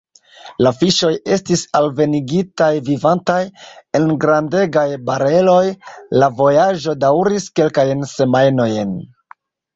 La fiŝoj estis alvenigitaj vivantaj, en grandegaj bareloj, la vojaĝo daŭris kelkajn semajnojn.